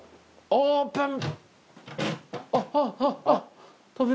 オープン。